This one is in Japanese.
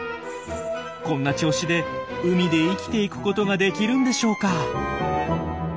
こんな調子で海で生きていくことができるんでしょうか？